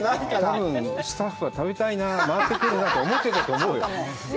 多分スタッフは食べたいな、回ってくるなと思ってたと思うよ。